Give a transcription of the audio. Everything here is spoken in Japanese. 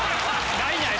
ないない